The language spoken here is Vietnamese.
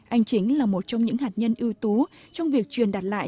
anh chính là một trong những hạt nhân yếu tố trong việc truyền đặt lại